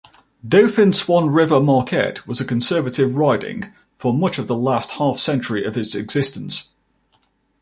Dauphin-Swan-River-Marquette was a conservative riding for much of the last half-century of its existence.